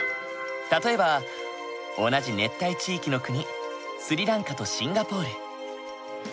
例えば同じ熱帯地域の国スリランカとシンガポール。